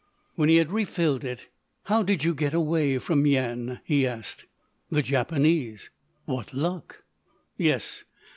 When he had refilled it: "How did you get away from Yian?" he asked. "The Japanese." "What luck!" "Yes.